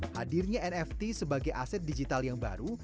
hadirnya nft sebagai aset digital yang baru